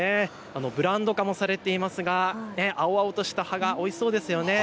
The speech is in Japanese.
ブランド化もされていますが青々とした葉がおいしそうですよね。